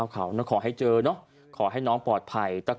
ขอให้เจอขอให้น้องปลอดภัย